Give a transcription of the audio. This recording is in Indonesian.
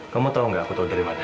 kamu tau gak aku tau dari mana